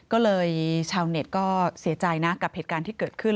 ก็เลยชาวเน็ตก็เสียใจนะกับเหตุการณ์ที่เกิดขึ้น